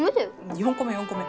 ４個目４個目。